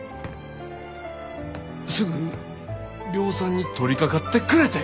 すぐ量産に取りかかってくれて！